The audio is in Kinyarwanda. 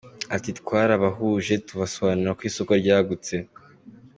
Ati “Twarabahuje tubasobanurira ko isoko ryagutse.